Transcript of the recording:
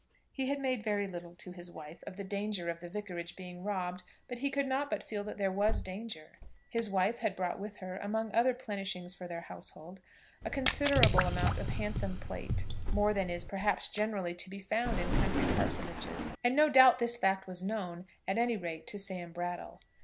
He had made very little to his wife of the danger of the Vicarage being robbed, but he could not but feel that there was danger. His wife had brought with her, among other plenishing for their household, a considerable amount of handsome plate, more than is, perhaps, generally to be found in country parsonages, and no doubt this fact was known, at any rate, to Sam Brattle.